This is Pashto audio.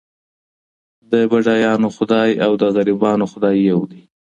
د بډایانو خدای او د غریبانو خدای یو دی.